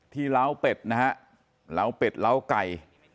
ล้าวเป็ดนะฮะล้าวเป็ดล้าวไก่